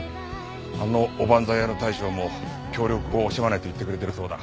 あのおばんざい屋の大将も協力を惜しまないと言ってくれてるそうだ。